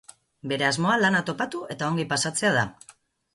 Bere asmoa lana topatu eta ongi pasatzea da.